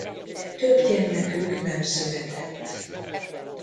Több gyermekük nem született.